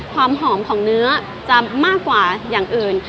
ความหอมของเนื้อจะมากกว่าอย่างอื่น